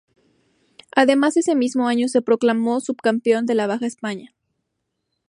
Además ese mismo año se proclamó subcampeón de la Baja de España.